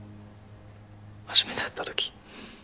初めて会ったとき。